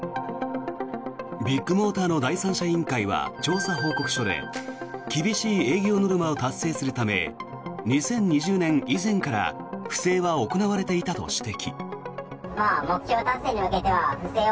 ビッグモーターの第三者委員会は調査報告書で厳しい営業ノルマを達成するため２０２０年以前から不正は行われていたと指摘。